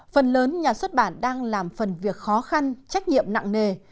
phần lớn nhà xuất bản đang làm phần việc khó khăn trách nhiệm nặng nề